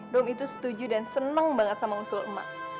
rum itu setuju dan senang banget sama usul mak